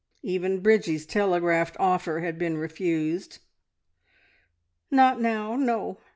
Even Bridgie's telegraphed offer had been refused. "Not now! No.